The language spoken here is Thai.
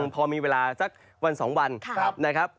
พอมีเวลาสักวัน๒วันนะครับ